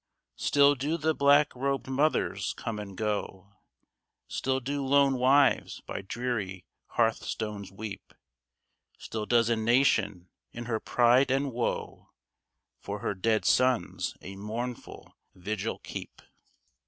Still do the black robed mothers come and go ; Still do lone wives by dreary hearthstones weep ; Still does a Nation, in her pride and woe, For her dead sons a mournful vigil keep.